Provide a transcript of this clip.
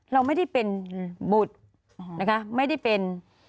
เราไม่ได้เป็นบุตรนะคะไม่ได้เป็น